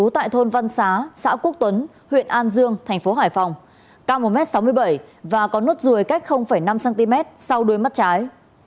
tại thôn văn xá xã quốc tuấn huyện an dương thành phố hải phòng cao một m sáu mươi bảy và có nốt ruồi cách năm cm sau đuôi mắt trái